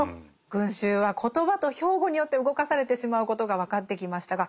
群衆は言葉と標語によって動かされてしまうことがわかってきましたが